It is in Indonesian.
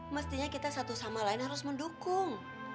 mestinya kita satu sama lain harus mendukung